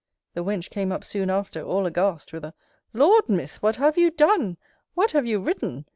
The wench came up soon after, all aghast, with a Laud, Miss! What have you done? What have you written?